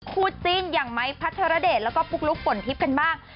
คู่จิ้นอย่างไม้พัทรเดชแล้วก็ปุ๊กลุ๊กฝนทิพย์กันบ้าง